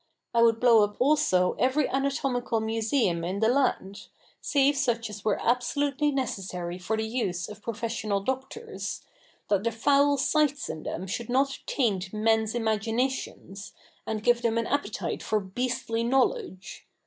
I would blow up also every anatomical museum in the land, save such as were absolutely necessary for the use of professional doctors, that the foul sights in them should not taint men's imaginations, and give them an appetite for beastly knowledge.